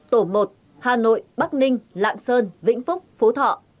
tổ một hà nội bắc ninh lạng sơn vĩnh phúc phú thọ